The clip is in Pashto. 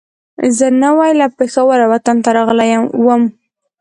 زه نوی له پېښوره وطن ته راغلی وم.